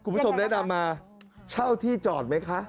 คุณผู้ชมแนะนำมาเช่าที่จอดไหมคะ